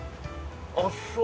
あっそう。